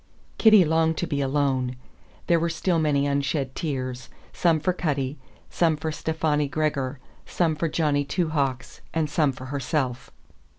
Kitty longed to be alone. There were still many unshed tears some for Cutty, some for Stefani Gregor, some for Johnny Two Hawks, and some for herself.